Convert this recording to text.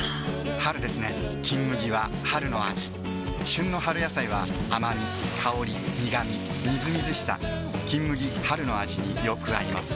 春ですね「金麦」は春の味旬の春野菜は甘み香り苦みみずみずしさ「金麦」春の味によく合います